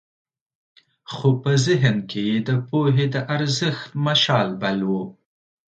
خو په ذهن کې یې د پوهې د ارزښت مشال بل و.